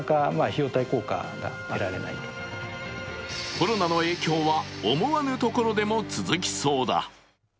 コロナの影響は思わぬところでも続きそうだ。